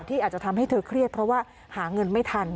อาจจะทำให้เธอเครียดเพราะว่าหาเงินไม่ทัน